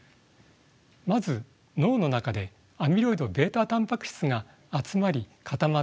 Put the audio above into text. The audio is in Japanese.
まず脳の中でアミロイドβタンパク質が集まり固まってたまります。